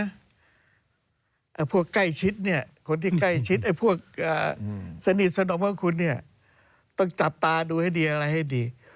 แต่พวกใกล้ชิดสนิทสนมพระคุณต้องจับตาดูอะไรให้ดี